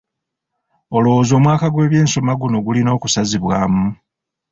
Olowooza omwaka gw'ebyensoma guno gulina okusazibwamu?